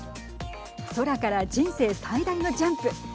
空から人生最大のジャンプ。